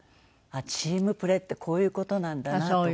ああチームプレーってこういう事なんだなと。